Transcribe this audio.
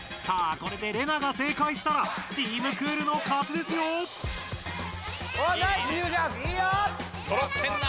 さあこれでレナが正解したらチーム・クールの勝ちですよ！